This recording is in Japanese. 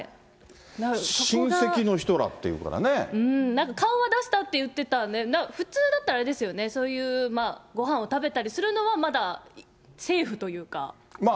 なんか顔は出したって言ってたので、普通だったらあれですよね、そういうまあ、ごはんを食べたりするのはまだセーフというか、なんですよね？